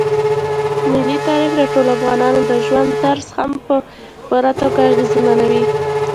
ملي تاریخ د ټولو افغانانو د ژوند طرز هم په پوره توګه اغېزمنوي.